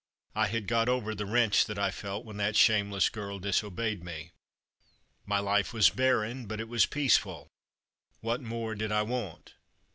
I had got over the wrench that I felt when that shameless girl disobeyed me. My life was barren, but it was peaceful. What more did I want